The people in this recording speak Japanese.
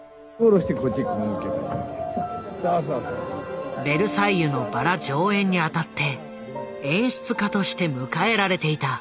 俳優の「ベルサイユのばら」上演にあたって演出家として迎えられていた。